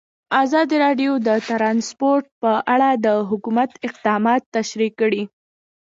ازادي راډیو د ترانسپورټ په اړه د حکومت اقدامات تشریح کړي.